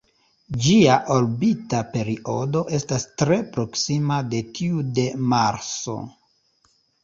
Ĝia orbita periodo estas tre proksima de tiu de Marso.